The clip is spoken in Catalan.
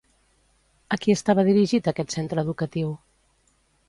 A qui estava dirigit aquest centre educatiu?